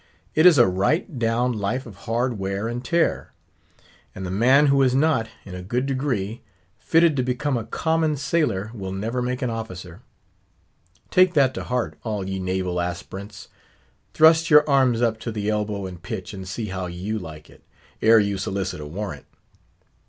It is a right down life of hard wear and tear, and the man who is not, in a good degree, fitted to become a common sailor will never make an officer. Take that to heart, all ye naval aspirants. Thrust your arms up to the elbow in pitch and see how you like it, ere you solicit a warrant.